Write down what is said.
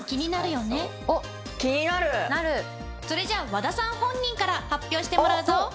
それじゃあ和田さん本人から発表してもらうぞ！